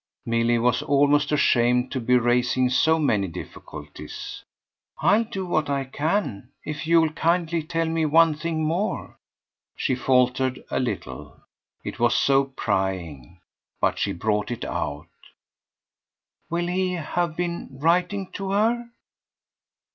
Milly was almost ashamed to be raising so many difficulties. "I'll do what I can if you'll kindly tell me one thing more." She faltered a little it was so prying; but she brought it out. "Will he have been writing to her?"